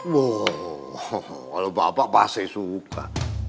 wah kalo bapak pasti suka